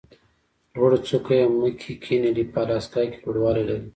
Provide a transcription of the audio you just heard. لوړه څوکه یې مک کینلي په الاسکا کې لوړوالی لري.